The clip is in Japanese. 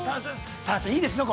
◆タナちゃん、いいですね。